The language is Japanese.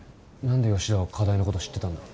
何で吉田は課題のこと知ってたんだ？